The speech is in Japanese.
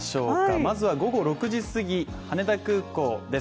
まずは午後６時過ぎ羽田空港です